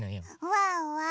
ワンワン